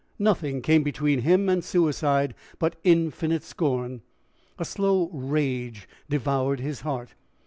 Nothing came between him and suicide but an infinite scorn. A slow rage devoured his heart.